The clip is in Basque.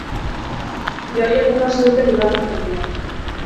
Lehoiek ondo hasi dute bigarren zatia.